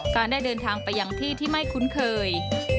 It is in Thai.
การได้เดินทางไปอย่างที่ที่ไม่คุ้นเคย